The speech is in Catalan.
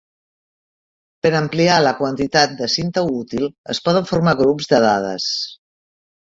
Per ampliar la quantitat de cinta útil es poden formar grups de dades.